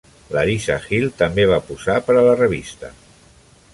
L'Arissa Hill també va posar per a la revista.